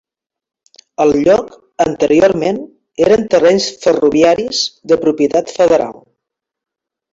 El lloc anteriorment eren terrenys ferroviaris de propietat federal.